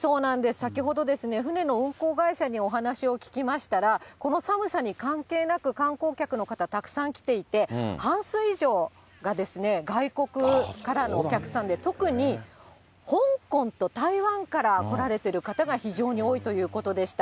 先ほど、船の運航会社にお話を聞きましたら、この寒さに関係なく、観光客の方、たくさん来ていて、半数以上が外国からのお客さんで、特に香港と台湾から来られてる方が非常に多いということでした。